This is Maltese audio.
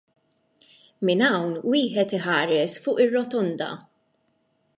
Minn hawn wieħed iħares fuq ir-Rotunda.